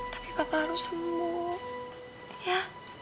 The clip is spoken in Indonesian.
tapi bapak harus sembuh ya